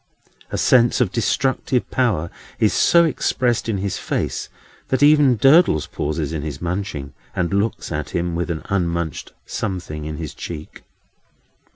A sense of destructive power is so expressed in his face, that even Durdles pauses in his munching, and looks at him, with an unmunched something in his cheek.